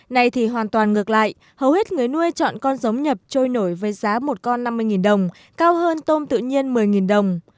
này thì hoàn toàn ngược lại hầu hết người nuôi chọn con giống nhập trôi nổi với giá một con năm mươi đồng cao hơn tôm tự nhiên một mươi đồng